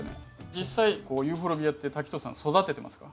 実際ユーフォルビアって滝藤さん育ててますか？